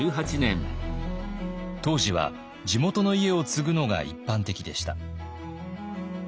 当時は地元の家を継ぐのが一般的でした。